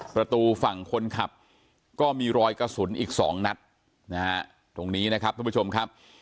ประตูฝั่งคนขับก็มีรอยกระสุนอีกสองนัดนะฮะตรงนี้นะครับทุกผู้ชมครับ